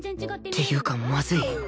っていうかまずい